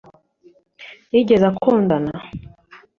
yigeze akundana